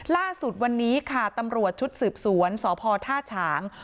ล่าสุดวันนี้ค่ะตำรวจชุดสืบสวนสพท่าฉาง